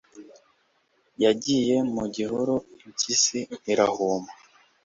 yagiye mu gihuru impyisi irahuma